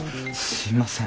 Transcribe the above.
すいません。